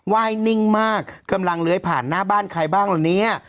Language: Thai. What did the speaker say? ว่ายนิ่งมากกำลังเลื้อยผ่านหน้าบ้านใครบ้างละเนี่ย